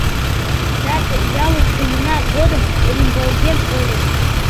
Дата ялыш шумына годым рӱмбалген ыле.